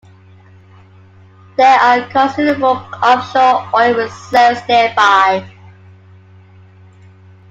There are considerable offshore oil reserves nearby.